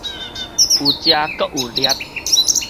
有食閣有掠